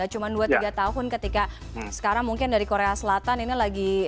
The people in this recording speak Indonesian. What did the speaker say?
cuma dua tiga tahun ketika sekarang mungkin dari korea selatan ini lagi